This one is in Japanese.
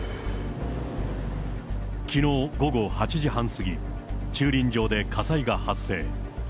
きのう午後８時半過ぎ、駐輪場で火災が発生。